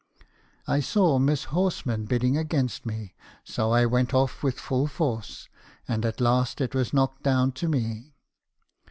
I saw Miss Horsman bidding against me , so I went off with full force, and at last it was knocked down to me.